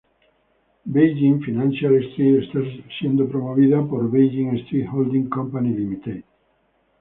Beijing Financial Street está siendo promovida por Beijing Street Holding Company, Ltd.